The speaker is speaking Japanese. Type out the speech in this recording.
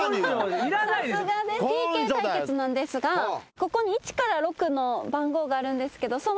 ＰＫ対決なんですがここに１から６の番号があるんですけどその。